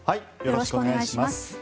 よろしくお願いします。